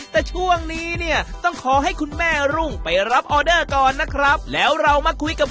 แต่ช่วงนี้ต้องขอให้คุณแม่รุ่งไปรับออเดอร์ก่อนนะครับ